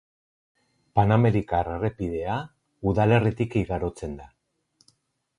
Panamerikar errepidea udalerritik igarotzen da.